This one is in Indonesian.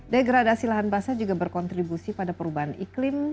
degradasi lahan basah juga berkontribusi pada perubahan iklim